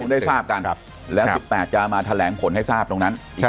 ๑๐ทฤษภาพการมและ๑๘จะมาแถลงผลให้ทราบตรงนั้น